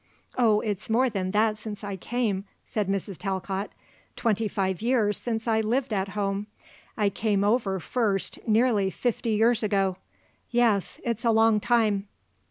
"Oh, it's more than that since I came," said Mrs. Talcott. "Twenty five years since I lived at home. I came over first nearly fifty years ago. Yes; it's a long time."